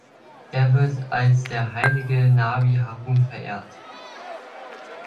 Er wird als der heilige "Nabi Harun" verehrt.